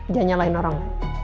jangan nyalahin orang